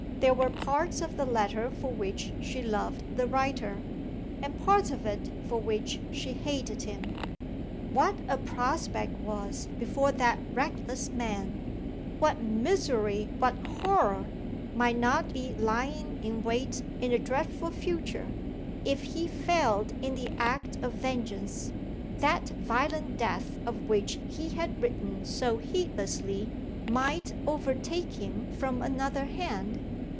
There were parts of the letter for which she loved the writer, and parts of it for which she hated him. What a prospect was before that reckless man what misery, what horror, might not be lying in wait in the dreadful future! If he failed in the act of vengeance, that violent death of which he had written so heedlessly might overtake him from another hand.